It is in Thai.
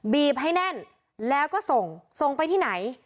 บีบให้แน่นแล้วก็ส่งส่งไปที่ไหน